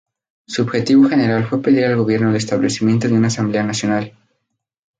Su objetivo general fue pedir al gobierno el establecimiento de una asamblea nacional.